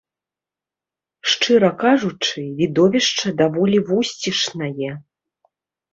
Шчыра кажучы, відовішча даволі вусцішнае.